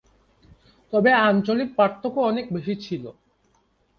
তবে আঞ্চলিক পার্থক্য অনেক বেশি ছিল।